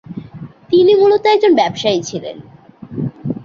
তিনি মূলত একজন ব্যবসায়ী ছিলেন।